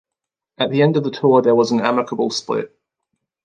At the end of the tour, there was an amicable split.